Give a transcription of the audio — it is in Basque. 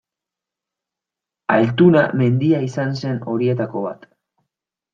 Altuna mendia izan zen horietako bat.